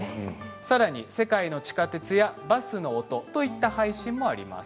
さらに世界の地下鉄やバスの音といった配信もあります。